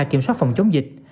kiểm soát phòng chống dịch